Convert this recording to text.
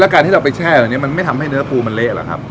การที่เราไปแช่แบบนี้มันไม่ทำให้เนื้อปูมันเละหรือครับ